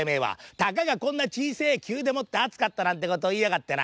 たかがこんなちいせえ灸でもってあつかったなんてことをいいやがってな。